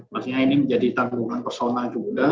maksudnya ini menjadi tanggungan personal juga